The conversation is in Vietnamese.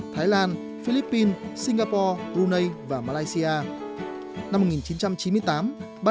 thái lan philippines singapore brunei và malaysia